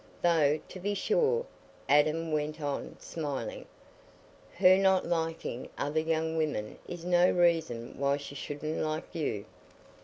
Though, to be sure," Adam went on, smiling, "her not liking other young women is no reason why she shouldn't like you."